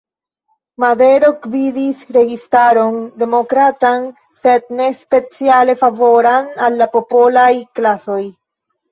Madero gvidis registaron demokratan, sed ne speciale favoran al la popolaj klasoj.